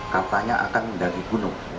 kartanya akan mendaki gunung